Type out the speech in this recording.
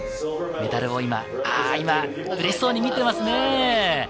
メダルを今、嬉しそうに見てますね。